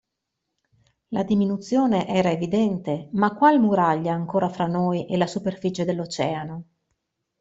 La diminuzione era evidente, ma qual muraglia ancora fra noi e la superficie dell'Oceano!